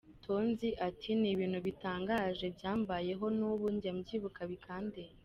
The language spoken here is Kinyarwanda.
Tonzi ati, “N’ibintu bitangaje byambayeho n’ubu njya byibuka bikandenga”.